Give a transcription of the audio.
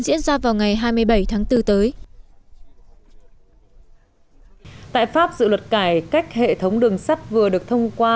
diễn ra vào ngày hai mươi bảy tháng bốn tới tại pháp dự luật cải cách hệ thống đường sắt vừa được thông qua